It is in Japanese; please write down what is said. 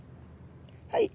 はい。